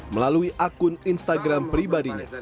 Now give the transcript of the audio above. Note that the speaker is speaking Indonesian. melalui akun instagram pribadinya